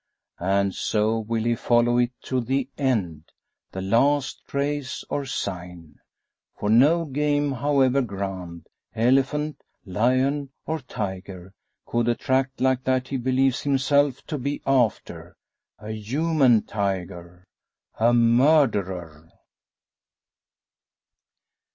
And so will he follow it to the end the last trace or sign. For no game, however grand elephant, lion, or tiger could attract like that he believes himself to be after a human tiger a murderer.